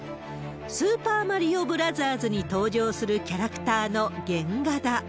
スーパーマリオブラザーズに登場するキャラクターの原画だ。